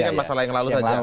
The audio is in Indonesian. ini kan masalah yang lalu saja